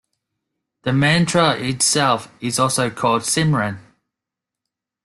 The mantra itself is also called Simran.